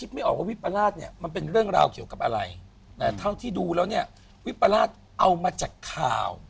จากที่ดูแล้วเนี่ยวิปราศเอามาจากข่าว